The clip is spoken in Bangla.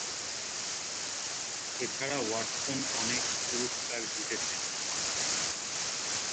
এছাড়া ওয়াটসন অনেক পুরস্কার জিতেছেন।